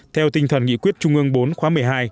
theo tinh thần nghị quyết trung ương bốn khóa một mươi hai